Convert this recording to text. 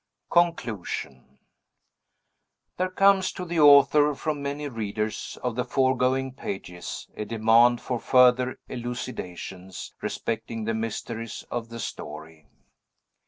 CONCLUSION There comes to the author, from many readers of the foregoing pages, a demand for further elucidations respecting the mysteries of the story.